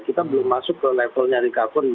kita belum masuk ke levelnya recovery